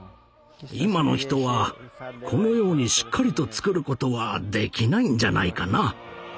今の人はこのようにしっかりとつくることはできないんじゃないかな。